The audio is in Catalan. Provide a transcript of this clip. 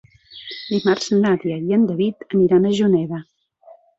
Dimarts na Nàdia i en David aniran a Juneda.